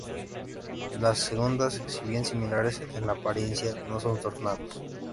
Las segundas, si bien similares en apariencia, no son tornados.